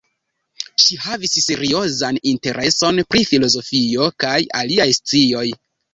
Ŝi havis seriozan intereson pri filozofio kaj aliaj scioj.